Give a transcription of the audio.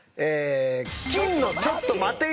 金のちょっと待てぃ！！